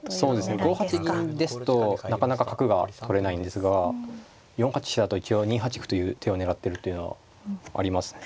そうですね５八銀ですとなかなか角が取れないんですが４八飛車だと一応２八歩という手を狙ってるっていうのはありますね。